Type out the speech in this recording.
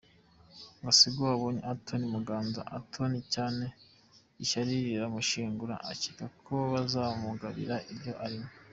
Gasigwa abonye atonnye Muganza atonnye cyane ishyari riramushengura akeka ko bazamugabira n’ibyo arimo.